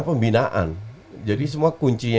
pembinaan jadi semua kuncinya